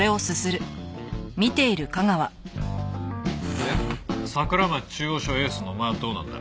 で桜町中央署エースのお前はどうなんだ？